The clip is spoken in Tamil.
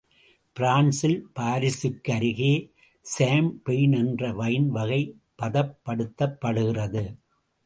பிரான்சில் பாரிசுக்கு அருகே சாம்பெயின் என்ற வைன் வகை பதப்படுத்தப்படுகிறது.